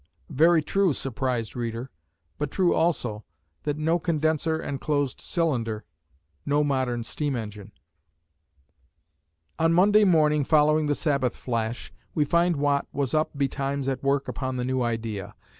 Very true, surprised reader, but true, also, that no condenser and closed cylinder, no modern steam engine. On Monday morning following the Sabbath flash, we find Watt was up betimes at work upon the new idea.